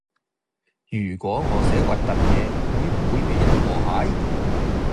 如果我寫核突嘢會唔會比人和諧